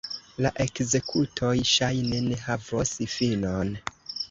La ekzekutoj ŝajne ne havos finon.